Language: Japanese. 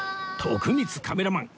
徳光カメラマン